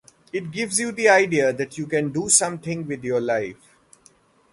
It gives you the idea that you can do something with your life.